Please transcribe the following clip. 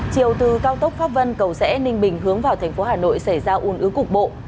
chiều từ cao tốc pháp vân cầu sẽ ninh bình hướng vào tp hà nội xảy ra un ứ cục bộ